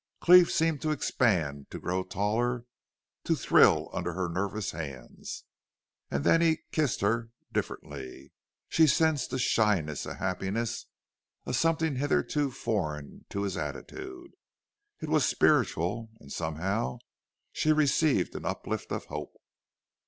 Cleve seemed to expand, to grow taller, to thrill under her nervous hands. And then he kissed her differently. She sensed a shyness, a happiness, a something hitherto foreign to his attitude. It was spiritual, and somehow she received an uplift of hope.